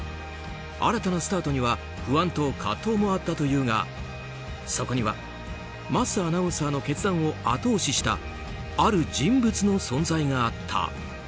新たなスタートには不安と葛藤もあったというがそこには枡アナウンサーの決断を後押ししたある人物の存在があった。